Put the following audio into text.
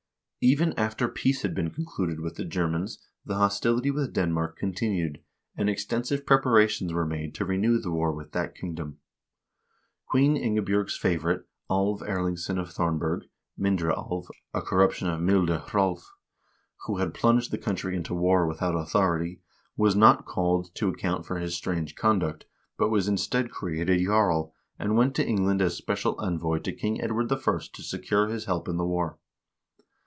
Even after peace had been concluded with the Germans, the hostility with Denmark continued, and extensive preparations were made to renew the war with that kingdom. Queen Ingebj0rg's favorite, Alv Erlingsson of Thornberg (Mindre Alv, a corruption of Milde Hr. Alv), who had plunged the country into war without authority, was not called to account for his strange conduct, but was instead created jarl, and went to England as special envoy to King Edward I. to secure his help in the war.